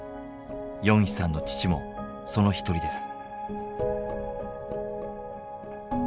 ヨンヒさんの父もその一人です。